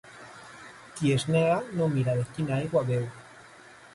Qui es nega no mira de quina aigua beu.